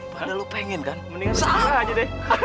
padahal lu pengen kan